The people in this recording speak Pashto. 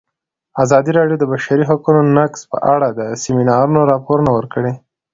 ازادي راډیو د د بشري حقونو نقض په اړه د سیمینارونو راپورونه ورکړي.